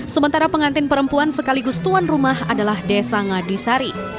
sementara pengantin perempuan sekaligus tuan rumah adalah desa ngadisari